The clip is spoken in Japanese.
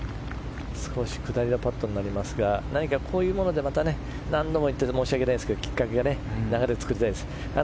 少し下りのパットになりますがこういうもので何度も言って申し訳ないですけど流れを作りたいです。